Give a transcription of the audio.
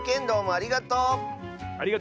ありがとう！